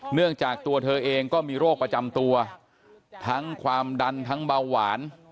เนื่องจากตัวเธอเองก็มีโรคประจำตัวทั้งความดันทั้งเบาหวาน